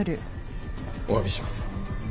おわびします。